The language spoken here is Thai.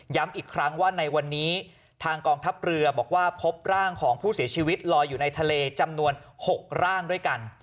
อีกครั้งว่าในวันนี้ทางกองทัพเรือบอกว่าพบร่างของผู้เสียชีวิตลอยอยู่ในทะเลจำนวน๖ร่างด้วยกัน